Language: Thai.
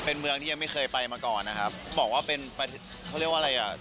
เป็นเมืองที่ยังไม่เคยไปมาก่อนนะครับบอกว่าเป็นประเทศเขาเรียกว่าอะไรอ่ะ